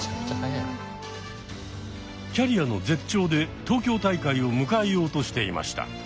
キャリアの絶頂で東京大会を迎えようとしていました。